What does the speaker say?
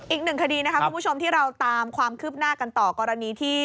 อีกหนึ่งคดีนะคะคุณผู้ชมที่เราตามความคืบหน้ากันต่อกรณีที่